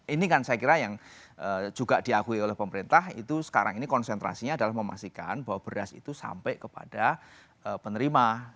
ini kan saya kira yang juga diakui oleh pemerintah itu sekarang ini konsentrasinya adalah memastikan bahwa beras itu sampai kepada penerima